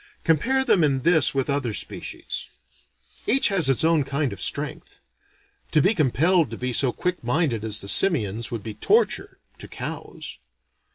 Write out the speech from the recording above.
Compare them in this with other species. Each has its own kind of strength. To be compelled to be so quick minded as the simians would be torture, to cows.